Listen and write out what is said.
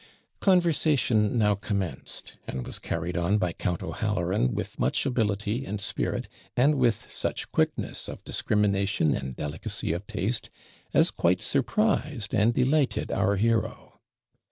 Conversation now commenced, and was carried on by Count O'Halloran with much ability and spirit, and with such quickness of discrimination and delicacy of taste, as quite surprised and delighted our hero.